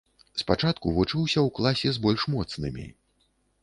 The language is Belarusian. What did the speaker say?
Спачатку вучыўся ў класе з больш моцнымі.